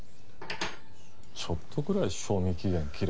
ちょっとくらい賞味期限切れてたって。